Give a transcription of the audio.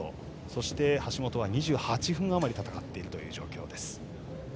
そして橋本は２８分あまり戦っている状況です。